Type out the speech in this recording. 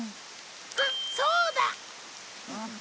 あっそうだ！